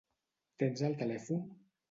Tens el telèfon?